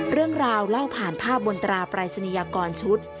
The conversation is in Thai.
เรื่องราวเล่าผ่านภาพบนตราปรายศนียากรชุด